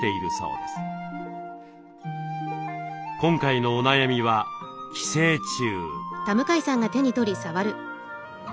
今回のお悩みは寄生虫。